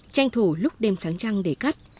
tranh thủ lúc đêm sáng trăng để cắt